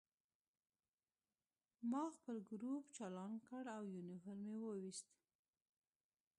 ما خپل ګروپ چالان کړ او یونیفورم مې وویست